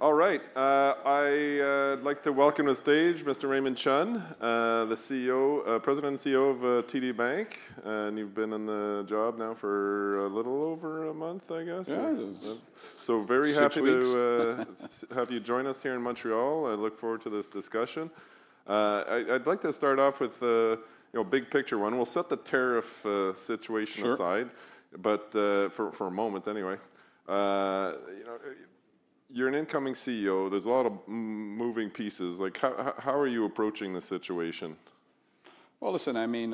All right, I'd like to welcome to the stage Mr. Raymond Chun, President and CEO of TD Bank. You've been in the job now for a little over a month, I guess. Very happy to have you join us here in Montreal. I look forward to this discussion. I'd like to start off with a big picture one. We'll set the tariff situation aside for a moment. Anyway, you're an incoming CEO, there's a lot of moving pieces. How are you approaching the situation? Listen, I mean,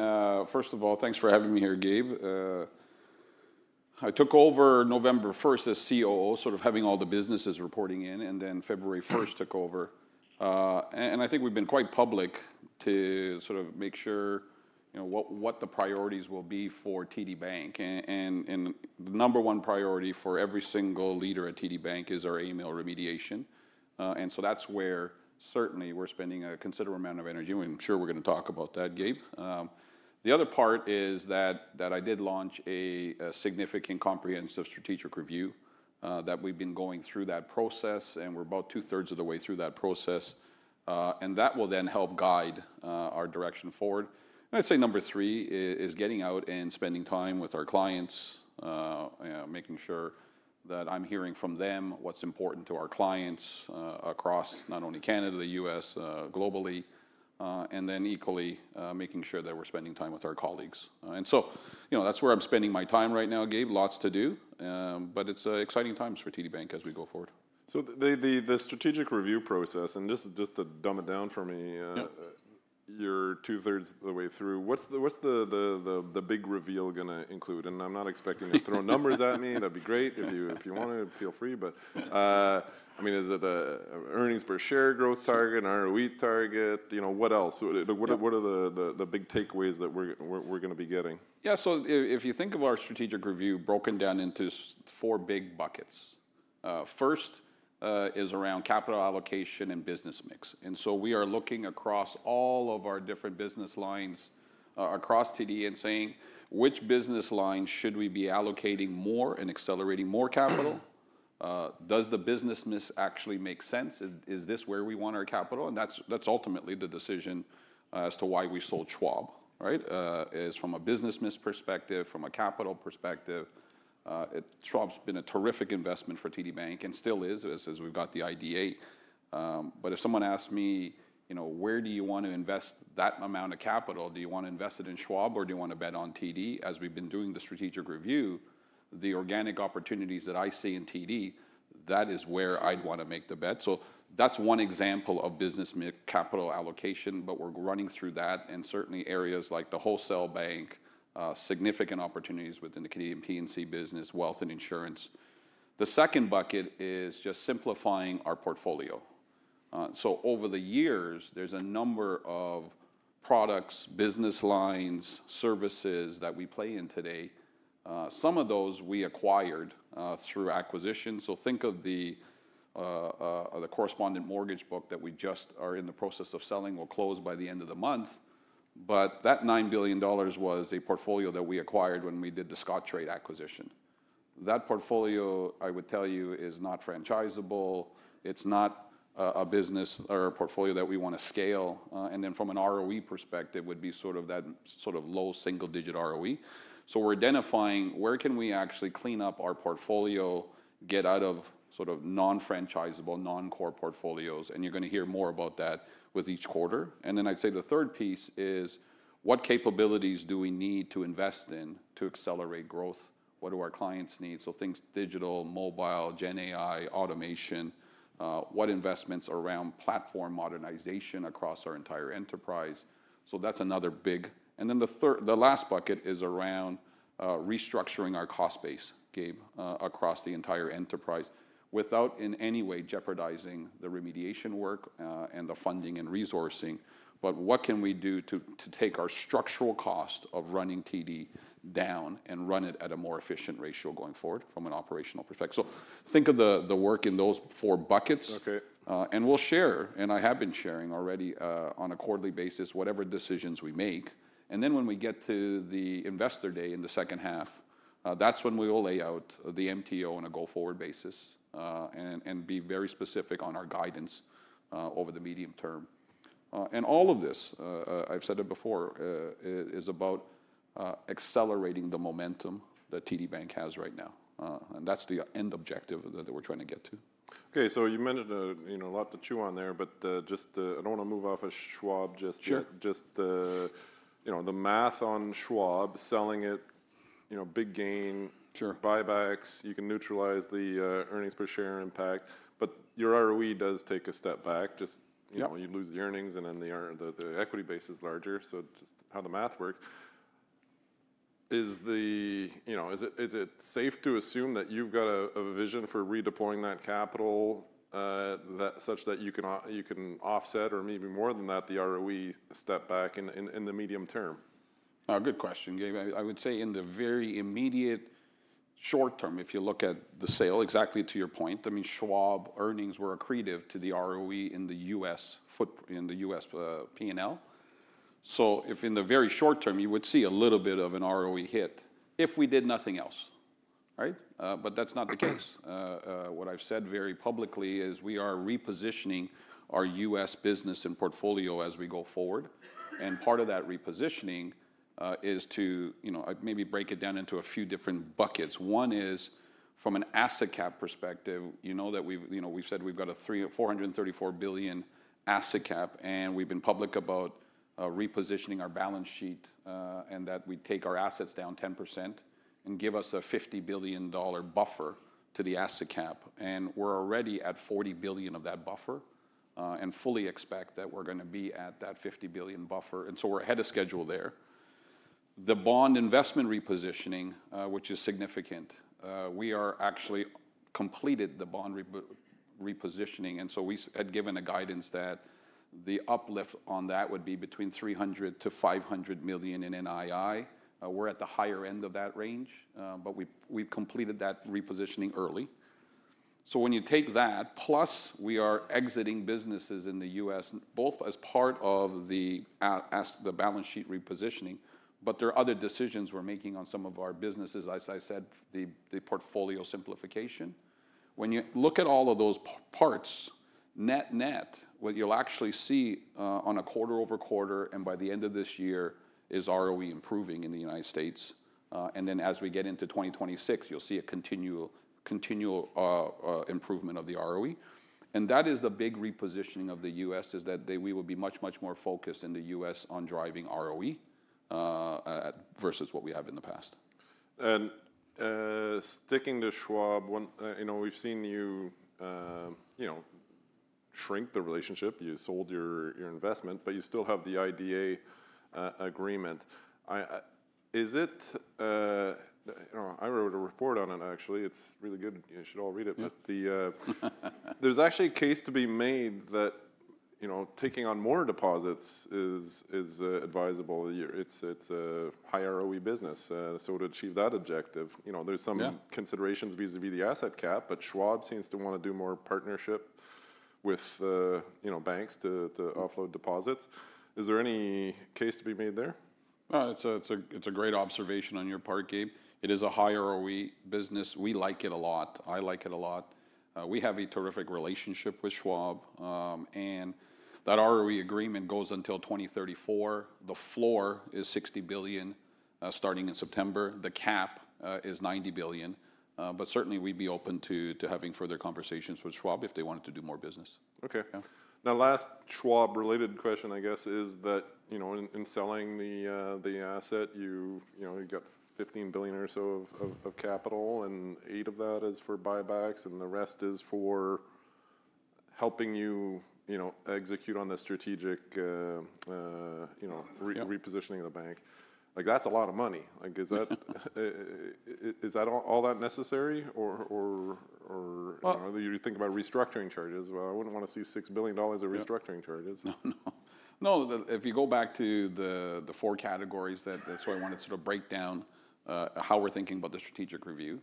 first of all, thanks for having me here, Gabe. I took over November 1 as COO, sort of having all the businesses reporting in, and then February 1 took over, and I think we've been quite public to sort of make sure what the priorities will be for TD Bank. The number one priority for every single leader at TD Bank is our AML remediation. That is where certainly we're spending a considerable amount of energy. I'm sure we're going to talk about that, Gabe. The other part is that I did launch a significant comprehensive strategic review that we've been going through, and we're about two-thirds of the way through that process, and that will then help guide our direction forward. I'd say number three is getting out and spending time with our clients, making sure that I'm hearing from them what's important to our clients across not only Canada, the U.S., globally, and then equally making sure that we're spending time with our colleagues. That's where I'm spending my time right now, Gabe. Lots to do. It's exciting times for TD Bank as we go forward. The strategic review process and just to dumb it down for me, you're two-thirds of the way through, what's the big reveal gonna include? I'm not expecting you to throw numbers at me. That'd be great if you want to, feel free. I mean, is it earnings per share growth target, ROE target, you know, what else? What are the big takeaways that we're gonna be getting? Yeah. If you think of our strategic review broken down into four big buckets, first is around capital allocation and business mix. We are looking across all of our different business, across TD, and saying which business line should we be allocating more and accelerating more capital? Does the business mix actually make sense? Is this where we want our capital? That is ultimately the decision as to why we sold Schwab. Right. From a businessman's perspective, from a capital perspective, Schwab's been a terrific investment for TD Bank and still is as we've got the IDA. If someone asks me, you know, where do you want to invest that amount of capital? Do you want to invest it in Schwab or do you want to bet on TD? As we've been doing the strategic review, the organic opportunities that I see in TD, that is where I'd want to make the bet. That is one example of business capital allocation, but we're running through that and certainly areas like the wholesale bank, significant opportunities within the Canadian P&C business, wealth, and insurance. The second bucket is just simplifying our portfolio. Over the years there's a number of products, business lines, services that we play in today. Some of those we acquired through acquisition. Think of the correspondent mortgage book that we just are in the process of selling, will close by the end of the month. That $9 billion was a portfolio that we acquired when we did the Scottrade acquisition. That portfolio, I would tell you, is not franchisable. It's not a business or portfolio that we want to scale. From an ROE perspective, it would be sort of that low single digit ROE. We are identifying where we can actually clean up our portfolio, get out of non-franchisable, non-core portfolios, and you are going to hear more about that with each quarter. I would say the third piece is what capabilities do we need to invest in to accelerate growth. What do our clients need? Things like digital, mobile, GenAI automation, what investments around platform modernization across our entire enterprise. That is another big area. The last bucket is around restructuring our cost base, Gabe, across the entire enterprise without in any way jeopardizing the remediation work and the funding and resourcing. What can we do to take our structural cost of running TD down and run it at a more efficient ratio going forward from an operational perspective? Think of the work in those four buckets and we'll share and I have been sharing already on a quarterly basis whatever decisions we make. When we get to the Investor Day in the second half, that's when we will lay out the MTO on a go forward basis and be very specific on our guidance over the medium term. All of this, I've said it before, is about accelerating the momentum that TD Bank has right now. That's the end objective that we're trying to get to. Okay, you mentioned a lot to chew on there but I do not want to move off of Schwab. Just the math on Schwab, selling it, big gain, buybacks, you can neutralize the earnings per share impact, but your ROE does take a step back. You lose the earnings and then the equity base is larger. That is just how the math works. Is it safe to assume that you have got a vision for redeploying that capital such that you can offset or maybe more than that, the ROE step back in the medium term? Good question, Gabe. I would say in the very immediate short term, if you look at the sale exactly to your point, Schwab earnings were accretive to the ROE in the U.S. footprint in the U.S. P&L. If in the very short term, you would see a little bit of an ROE hit if we did nothing else. Right. That is not the case. What I've said very publicly is we are repositioning our U.S. business and portfolio as we go forward. Part of that repositioning is to maybe break it down into a few different buckets. One is from an asset cap perspective, you know that we've said we've got a $434 billion asset cap and we've been public about repositioning our balance sheet and that we take our assets down 10% and give us a $50 billion buffer to the asset cap. We're already at $40 billion of that buffer and fully expect that we're going to be at that $50 billion buffer. We're ahead of schedule there. The bond investment repositioning, which is significant, we are actually completed the bond repositioning. We had given a guidance that the uplift on that would be between $300 million-$500 million in NII. We're at the higher end of that range, but we've completed that repositioning early. When you take that plus we are exiting businesses in the U.S. both as part of the balance sheet repositioning. There are other decisions we're making on some of our businesses. As I said, the portfolio simplification, when you look at all of those parts net net, what you'll actually see on a quarter over quarter and by the end of this year is ROE improving in the United States. As we get into 2026, you'll see a continual improvement of the ROE, and that is the big repositioning of the U.S. is that we will be much, much more focused in the U.S. on driving ROE versus what we. Have in the past and sticking to Schwab. We've seen you shrink the relationship, you sold your investment, but you still have the IDA agreement. Is it? I wrote a report on it, actually. It's really good. You should all read it. There's actually a case to be made that, you know, taking on more deposits is advisable. It's a high ROE business. To achieve that objective, you know, there's some considerations vis a vis the asset cap. Schwab seems to want to do more partnership with banks to offload deposits. Is there any case to be made there? It's a great observation on your part, Gabe. It is a higher ROE business. We like it a lot. I like it a lot. We have a terrific relationship with Schwab. That ROE agreement goes until 2034. The floor is $60 billion starting in September. The cap is $90 billion. Certainly we'd be open to having further conversations with Schwab if they wanted to do more business. Okay, now, last Schwab related question, I guess is that in selling the asset, you got $15 billion or so of capital and 8 of that is for buybacks and the rest is for helping you execute on the strategic repositioning of the bank. That's a lot of money. Is that all that necessary or you think about restructuring charges? I wouldn't want to see $6 billion of restructuring charges. No, no, no. If you go back to the four categories. That's why I wanted to break down how we're thinking about the strategic review.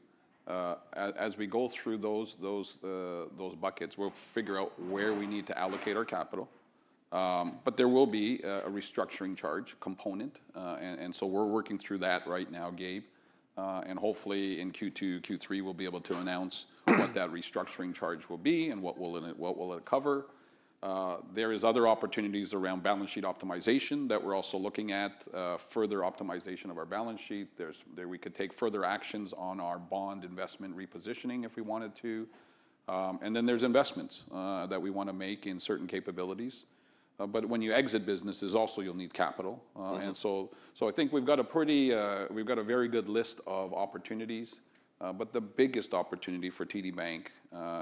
As we go through those buckets, we'll figure out where we need to allocate our capital. There will be a restructuring charge component. We are working through that right now, Gabe. Hopefully in Q2, Q3, we'll be able to announce what that restructuring charge will be and what it will cover. There are other opportunities around balance sheet optimization that we're also looking at, further optimization of our balance sheet. We could take further actions on our bond investment repositioning if we wanted to. There are investments that we want to make in certain capabilities. When you exit businesses also, you'll need capital. I think we've got a pretty, we've got a very good list of opportunities. The biggest opportunity for TD Bank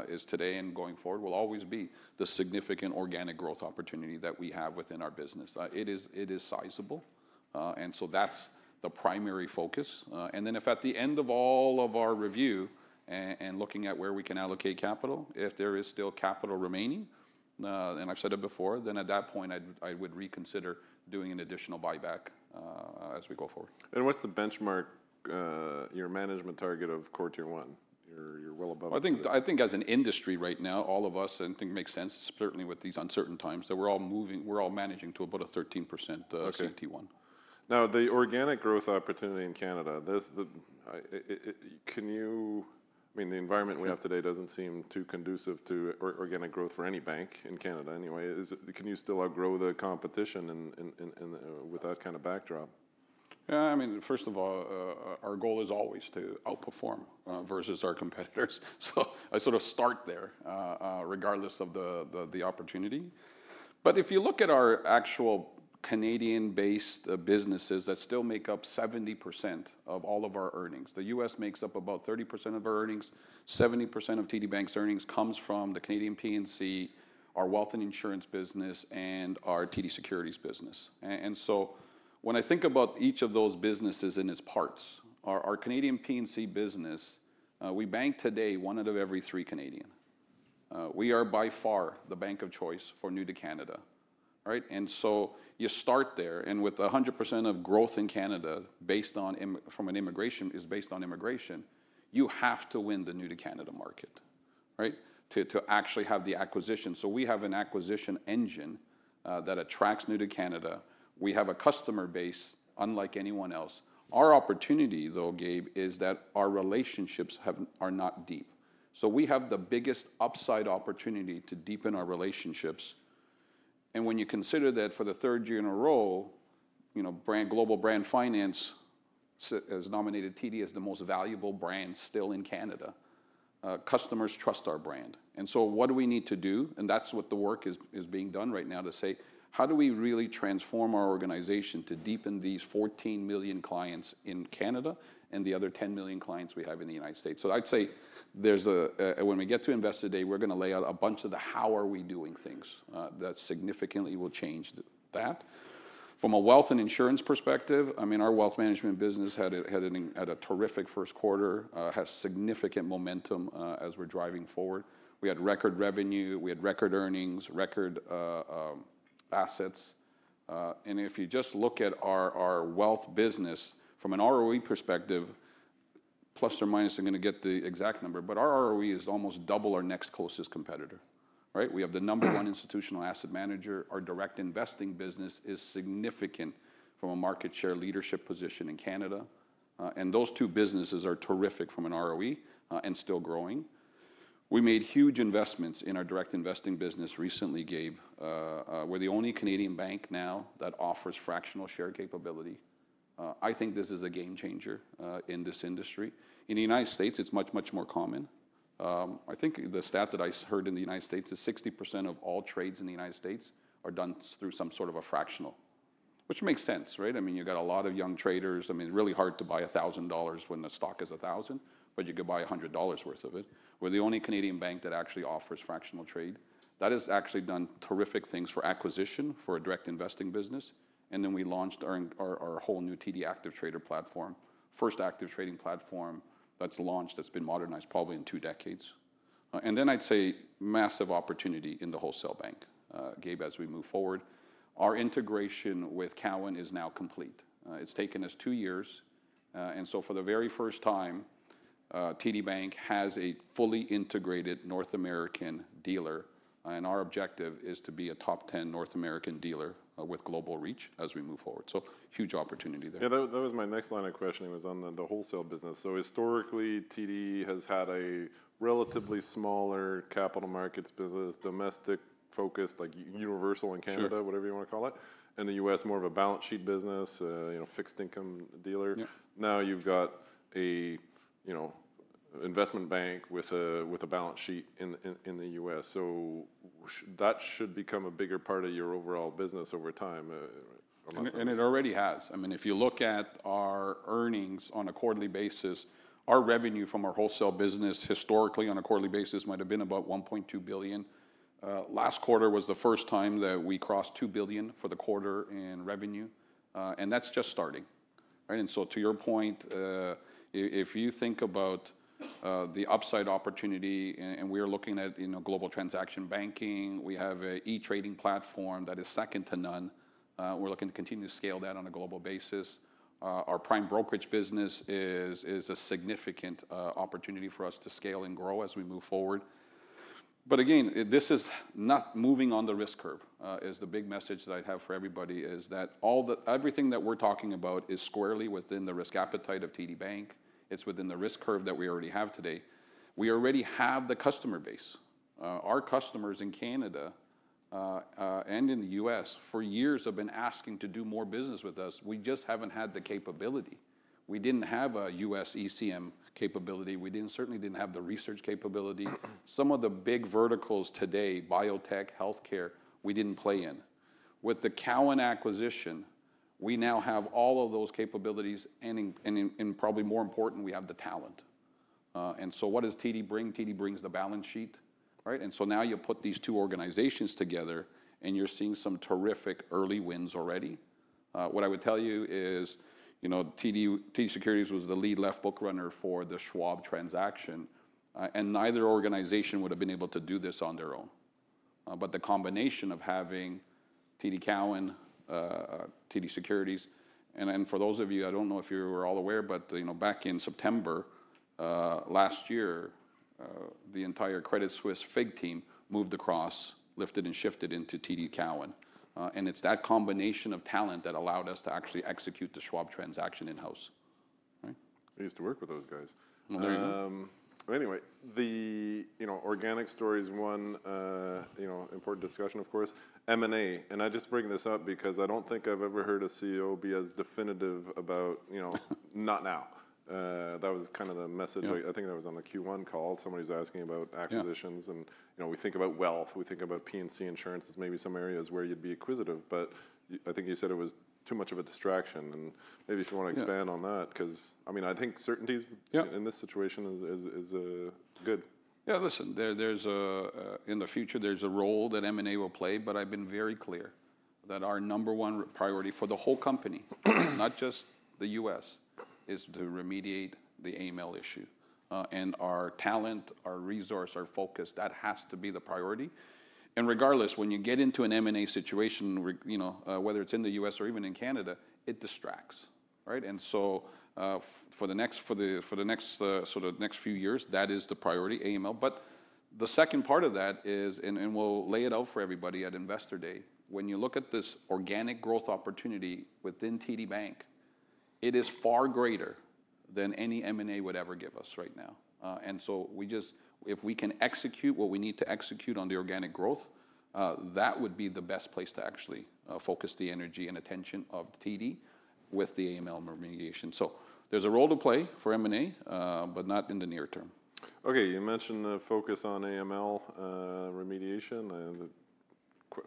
is today and going forward will always be the significant organic growth opportunity that we have within our business. It is sizable. That is the primary focus. If at the end of all of our review and looking at where we can allocate capital, if there is still capital remaining, and I've said it before then, at that point I would reconsider doing an additional buyback as we go forward. What's the benchmark, your management target of Core Tier 1? You're well above I think as an industry right now. All of us I think makes sense certainly with these uncertain times that we're all moving, we're all managing to about a 13% Core Tier 1. Now, the organic growth opportunity in Canada. Can you, I mean the environment we have today doesn't seem too conducive to organic growth for any bank in Canada anyway. Can you still outgrow the competition with that kind of backdrop? I mean first of all our goal is always to outperform versus our competitors. I sort of start there regardless of the opportunity. If you look at our actual Canadian based businesses that still make up 70% of all of our earnings, the U.S. makes up about 30% of our earnings. 70% of TD Bank's earnings comes from the Canadian P&C, our Wealth and Insurance business, and our TD Securities business. When I think about each of those businesses in its parts, our Canadian P&C business, we bank today one out of every three Canadians. We are by far the bank of choice for New to Canada. You start there and with 100% of growth in Canada based on immigration. You have to win the New to Canada market, right, to actually have the acquisition. We have an acquisition engine that attracts New to Canada. We have a customer base unlike anyone else. Our opportunity though, Gabe, is that our relationships are not deep. We have the biggest upside opportunity to deepen our relationships. When you consider that for the third year in a row, you know, Global Brand Finance has nominated TD as the most valuable brand still in Canada. Customers trust our brand. What do we need to do? That is what the work is being done right now to say how do we really transform our organization to deepen these 14 million clients in Canada and the other 10 million clients we have in the United States? I'd say when we get to investor day we're going to lay out a bunch of the how are we doing things that significantly will change that from a wealth and insurance perspective. I mean our wealth management business had a terrific first quarter, has significant momentum as we're driving forward. We had record revenue, we had record earnings, record assets and if you just look at our wealth business from an ROE perspective, plus or minus, I'm going to get the exact number but our ROE is almost double our next closest competitor, right? We have the number one institutional asset manager. Our Direct Investing business is significant from a market share leadership position in Canada. Those two businesses are terrific from an ROE and still growing. We made huge investments in our Direct Investing business recently, Gabe. We're the only Canadian bank now that offers fractional share capability. I think this is a game changer in this industry. In the United States it's much, much more common. I think the stat that I heard in the United States is 60% of all trades in the United States are done through some sort of a fractional. Which makes sense, right? I mean, you got a lot of young traders. I mean, really hard to buy $1,000 when the stock is $1,000, but you could buy $100 worth of it. We're the only Canadian bank that actually offers fractional trade, that has actually done terrific things for acquisition for our direct investing business. We launched our whole new TD Active Trader platform. First active trading platform that's launched, that's been modernized probably in two decades. I'd say massive opportunity in the wholesale bank. Gabe, as we move forward, our integration with Cowen is now complete. It's taken us two years. For the very first time, TD Bank has a fully integrated North American dealer. Our objective is to be a top 10 North American dealer with global reach as we move forward. Huge opportunity there. That was my next line of questioning was on the wholesale business. Historically TD has had a relatively smaller capital markets business, domestic focused like Universal in Canada, whatever you want to call it in the U.S. More of a balance sheet business, fixed income dealer. Now you've got an investment bank with a balance sheet in the U.S. That should become a bigger part of your overall business over time. It already has. I mean, if you look at our earnings on a quarterly basis, our revenue from our wholesale business historically on a quarterly basis might have been about $1.2 billion. Last quarter was the first time that we crossed $2 billion for the quarter in revenue. That is just starting. To your point, if you think about the upside opportunity and we are looking at global transaction banking, we have an e-trading platform that is second to none. We are looking to continue to scale that on a global basis. Our prime brokerage business is a significant opportunity for us to scale and grow as we move forward. This is not moving on the risk curve. The big message that I have for everybody is that everything that we are talking about is squarely within the risk appetite of TD Bank. It's within the risk curve that we already have today. We already have the customer base. Our customers in Canada and in the U.S. for years have been asking to do more business with us. We just haven't had the capability. We didn't have a U.S. ECM capability. We certainly didn't have the research capability. Some of the big verticals today, biotech, healthcare, we didn't play in with the Cowen acquisition. We now have all of those capabilities and probably more important, we have the talent. What does TD bring? TD brings the balance sheet. Now you put these two organizations together and you're seeing some terrific early wins already. What I would tell you is, you know, TD Securities was the lead left bookrunner for the Schwab transaction. Neither organization would have been able to do this on their own. The combination of having TD Cowen, TD Securities, and for those of you, I do not know if you were all aware, but back in September last year, the entire Credit Suisse FIG team moved across, lifted and shifted into TD Cowen. It is that combination of talent that allowed us to actually execute the Schwab transaction in house. I used to work with those guys anyway, the organic stories, one important discussion, of course, M&A. I just bring this up because I do not think I have ever heard a CEO be as definitive about. Not now. That was kind of the message, I think that was on the Q1 call. Somebody is asking about acquisitions and we think about wealth, we think about P&C insurance as maybe some areas where you would be acquisitive. I think you said it was too much of a distraction and maybe if you want to expand on that, because I think certainties in this situation is good. Yeah, listen, there's. In the future, there's a role that M&A will play. I've been very clear that our number one priority for the whole company, not just the U.S., is to remediate the AML issue. Our talent, our resource, our focus, that has to be the priority. Regardless, when you get into an M&A situation, you know, whether it's in the U.S. or even in Canada, it distracts, right? For the next, for the next sort of next few years, that is the priority. AML. The second part of that is, and we'll lay it out for everybody at Investor Day, when you look at this organic growth opportunity within TD Bank, it is far greater than any M&A would ever give us right now. If we can execute what we need to execute on the organic growth, that would be the best place to actually focus the energy and attention of TD with the AML remediation. There is a role to play for M&A, but not in the near term. Okay, you mentioned the focus on AML remediation.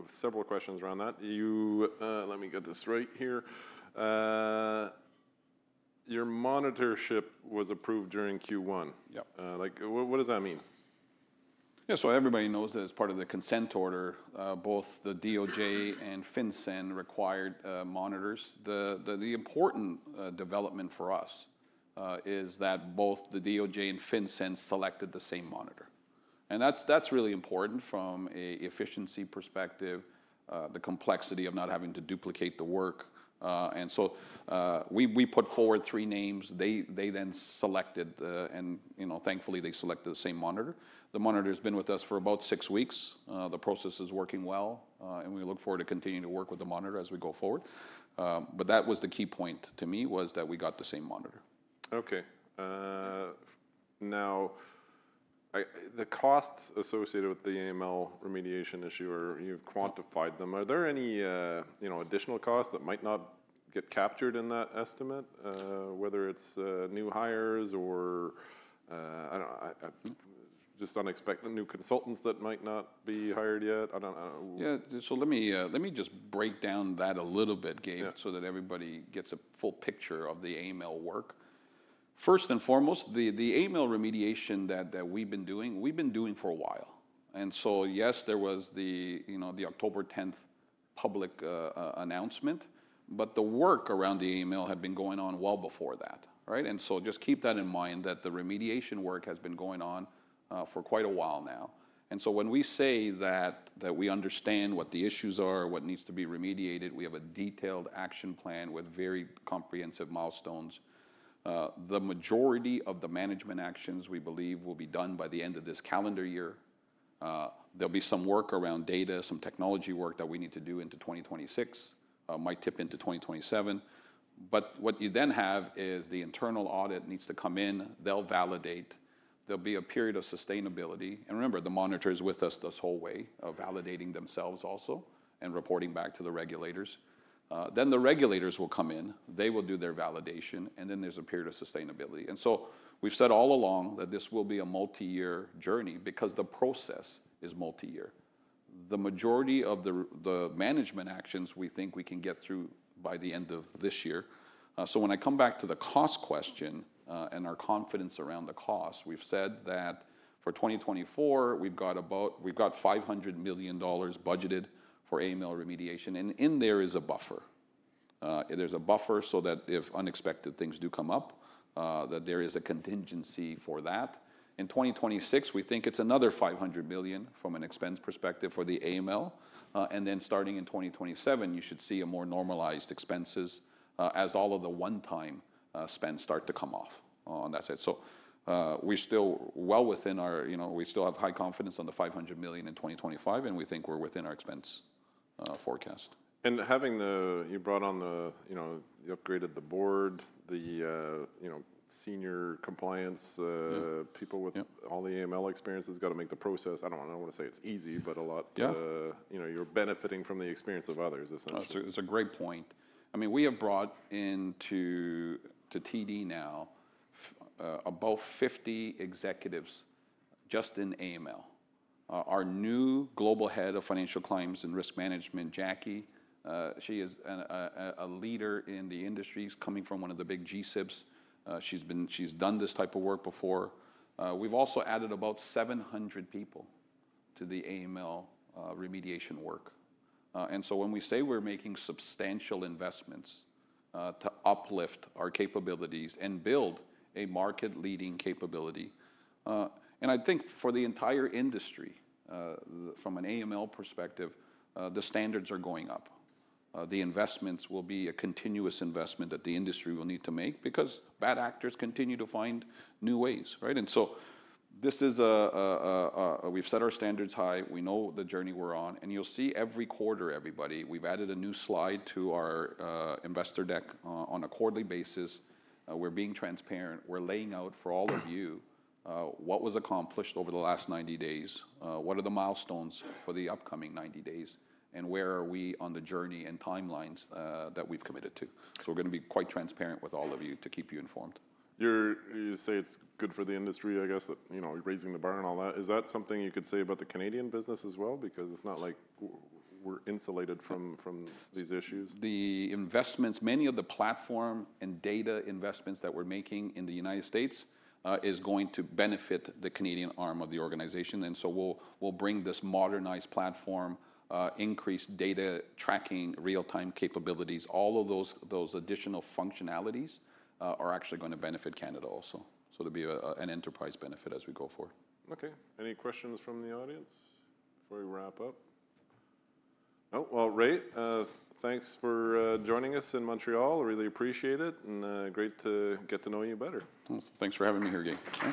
Several questions around that. Let me get this right here. Your monitorship was approved during Q1. What does that mean? Everybody knows that as part of the consent order, both the DOJ and FinCEN required monitors. The important development for us is that both the DOJ and FinCEN selected the same monitor. That is really important from an efficiency perspective, the complexity of not having to duplicate the work. We put forward three names, they then selected and thankfully they selected the same monitor. The monitor has been with us for about six weeks. The process is working well and we look forward to continuing to work with the monitor as we go forward. That was the key point to me, that we got the same monitor. Okay, now the costs associated with the AML remediation issue, you've quantified them. Are there any additional costs that might not get captured in that estimate? Whether it's new hires or just unexpected new consultants that might not be hired yet? Let me just break down that a little bit, Gabe, so that everybody gets a full picture of the AML work. First and foremost, the AML remediation that we've been doing, we've been doing for a while. Yes, there was the October 10 public announcement, but the work around the AML had been going on well before that. Just keep that in mind that the remediation work has been going on for quite a while now. When we say that we understand what the issues are, what needs to be remediated, we have a detailed action plan with various very comprehensive milestones. The majority of the management actions we believe will be done by the end of this calendar year. There will be some work around data, some technology work that we need to do into 2026, might tip into 2027. What you then have is the internal audit needs to come in, they'll validate, there will be a period of sustainability. Remember, the monitor is with us this whole way, validating themselves also and reporting back to the regulators. The regulators will come in, they will do their validation, and then there is a period of sustainability. We have said all along that this will be a multi-year journey because the process is multi-year. The majority of the management actions we think we can get through by the end of this year. When I come back to the cost question and our confidence around the cost, we have said that for 2024 we have $500 million budgeted for AML remediation and in there is a buffer. There's a buffer so that if unexpected things do come up that there is a contingency for that in 2026. We think it's another $500 million from an expense perspective for the AML. Then starting in 2027 you should see more normalized expenses as all of the one-time spends start to come off on that side. We're still well within our, you know, we still have high confidence on the $500 million in 2025 and we think we're within our expense forecast. Having the, you brought on the, you know, you upgraded the board, the, you know, senior compliance people with all the AML experience has got to make the process, I don't want to say it's easy, but a lot, you know, you're benefiting from the experience of others essentially. It's a great point. I mean we have brought into TD now about 50 executives just in AML. Our new Global Head of Financial Crime and Risk Management, Jackie, she is a leader in the industry coming from one of the big G-SIBs. She's done this type of work before. We've also added about 700 people to the AML remediation work. When we say we're making substantial investments to uplift our capabilities and build a market-leading capability, I think for the entire industry from an AML perspective the standards are going up. The investments will be a continuous investment that the industry will need to make because bad actors continue to find new ways. Right? We have set our standards high, we know the journey we are on and you will see every quarter, everybody, we have added a new slide to our investor deck on a quarterly basis. We are being transparent, we are laying out for all of you what was accomplished over the last 90 days. What are the milestones for the upcoming 90 days and where are we on the journey and timelines that we have committed to. We are going to be quite transparent with all of you to keep you informed. You say it's good for the industry, I guess that you know, raising the bar and all that. Is that something you could say about the Canadian business as well? Because it's not like insulated from these issues, the investments. Many of the platform and data investments that we're making in the United States is going to benefit the Canadian arm of the organization. We'll bring this modernized platform, increased data tracking, real time capabilities. All of those additional functionalities are actually going to benefit Canada also. There'll be an enterprise benefit as we go forward. Okay. Any questions from the audience before we wrap up? Oh, Ray, thanks for joining us in Montreal. I really appreciate it. Great to get to know you better. Thanks for having me here, Gabe. Thanks.